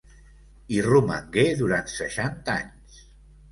Hi romangué durant seixanta anys.